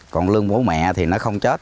còn lương bố mẹ thì nó không chết